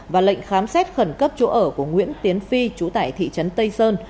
và lệnh khám xét khẩn cấp chỗ ở của nguyễn tiến phi chú tại thị trấn tây sơn